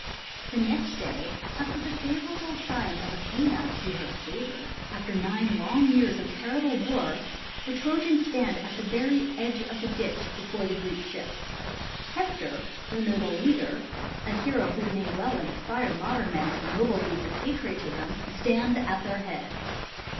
The next day after the favorable sign of Athene to her favorite, after nine long years of terrible war the Trojans stand at the very edge of the ditch before the Greek ships. Hector their noble leader, a hero who may well inspire modern men to noble deeds of patriotism, stands at their head.